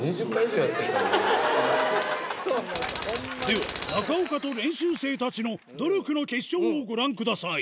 では中岡と練習生たちの努力の結晶をご覧ください